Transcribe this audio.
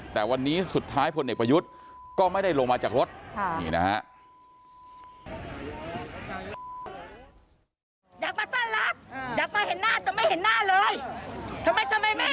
แต่วันนี้สุดท้ายพลเอกประยุทธ์ก็ไม่ได้ลงมาจากรถนี่นะฮะ